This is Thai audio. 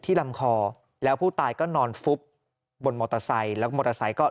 ลำคอแล้วผู้ตายก็นอนฟุบบนมอเตอร์ไซค์แล้วก็มอเตอร์ไซค์ก็